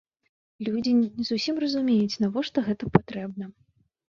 Людзі не зусім разумеюць, навошта гэта патрэбна.